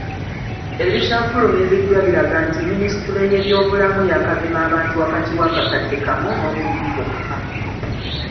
Ebikyafulumiziddwa biraga nti Minisitule y'ebyobulamu yaakagema abantu wakati wa kakadde kamu n'obubiri bokka.